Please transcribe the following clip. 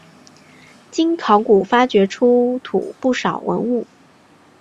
经考古发掘出土不少文物。